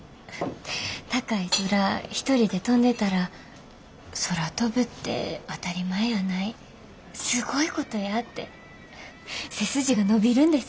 高い空一人で飛んでたら空飛ぶって当たり前やないすごいことやて背筋が伸びるんです。